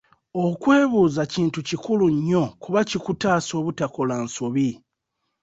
Okwebuuza kintu kikulu nnyo kuba kikutaasa obutakola nsobi.